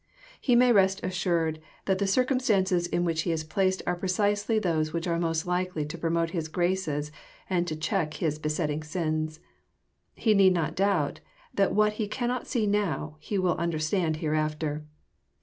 He may rest assured that the circumstances in which he is placed are precisely those which are most likely to | promote his graces and to chepk his besetting sins. He need not doubt that what he cannot see now he will under stand hereafter.